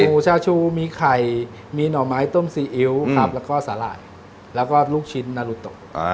หมูชาชูมีไข่มีหน่อไม้ต้มซีอิ๊วครับแล้วก็สาหร่ายแล้วก็ลูกชิ้นนารุโต